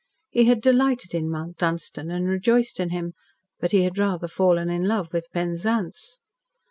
He had delighted in Mount Dunstan, and rejoiced in him, but he had rather fallen in love with Penzance.